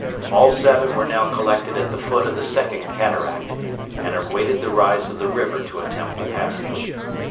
All seven were now collected at the foot of the Second Cataract, and awaited the rise of the river to attempt the passage.